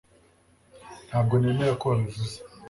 ntabwo nemera ko wabivuze